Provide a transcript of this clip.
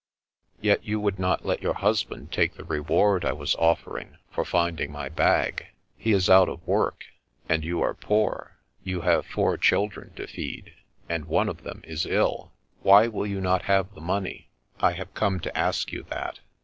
" Yet you would not let your husband take the reward I offered for finding my bag. He is out of work, and you are poor; you have four children to feed, and one of them is ill. Why will you not have the money ? I have come to ask you that.